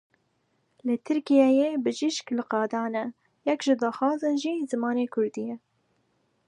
Li Tirkiyeyê bijîşk li qadan e; yek ji daxwazan jî zimanê kurdî ye.